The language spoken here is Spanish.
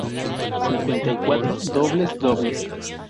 Cincuenta y cuatro dobles dobles.